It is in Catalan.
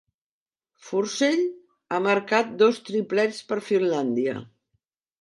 Forssell ha marcat dos triplets per Finlàndia.